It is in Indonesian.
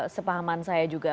sepahaman saya juga